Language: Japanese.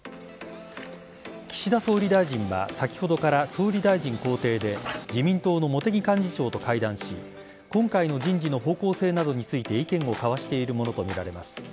岸田総理大臣は先ほどから総理大臣公邸で自民党の茂木幹事長と会談し今回の人事の方向性などについて意見を交わしているものとみられます。